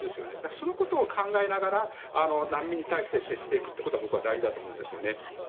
そのことを考えながら難民に対して接していくことが僕は大事だと思うんですよね。